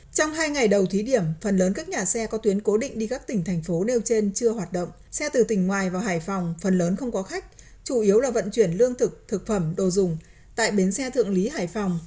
trong hai ngày đầu thí điểm phần lớn các nhà xe có tuyến cố định đi các tỉnh thành phố nêu trên chưa hoạt động xe từ tỉnh ngoài vào hải phòng phần lớn không có khách chủ yếu là vận chuyển lương thực thực phẩm đồ dùng tại bến xe thượng lý hải phòng